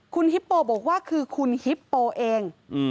คุณฮิปโปบอกว่าคือคุณฮิปโปเอง